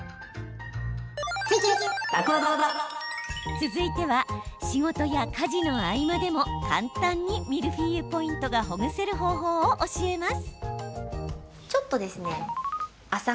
続いては、仕事や家事の合間でも簡単にミルフィーユポイントがほぐせる方法を教えます。